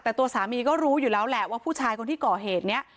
แต่ตัวสามีก็รู้อยู่แล้วแหละว่าผู้ชายคนที่ก่อเหตุนี้